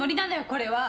これは。